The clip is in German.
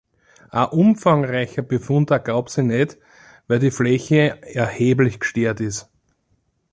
Ein umfangreicher Befund ergab sich nicht, weil die Fläche erheblich gestört ist.